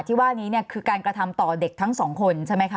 ที่ว่านี้เนี่ยคือการกระทำต่อเด็กทั้งสองคนใช่ไหมคะ